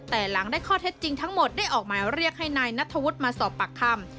แต่หลังได้ข้อเท็จจริงทั้งหมดได้ออกหมายเรียกให้นายนัทธวุฒิมาสอบปากคำ